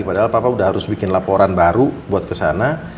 padahal papa udah harus bikin laporan baru buat kesana